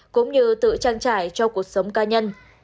cũng như tự trang trải cho cuộc sống cá nhân